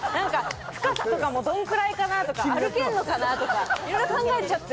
深さとかもどのくらいかなとか歩けるのかなとかいろいろ考えちゃって。